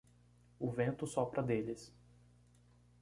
O vento sopra deles